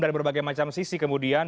dari berbagai macam sisi kemudian